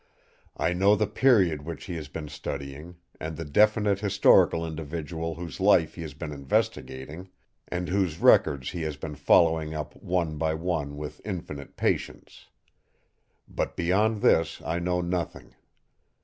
I know the period which he has been studying; and the definite historical individual whose life he has been investigating, and whose records he has been following up one by one with infinite patience. But beyond this I know nothing.